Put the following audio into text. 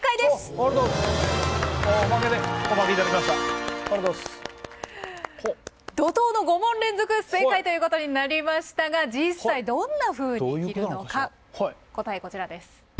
ありがとうございます。ということになりましたが実際どんなふうに着るのか答えこちらです。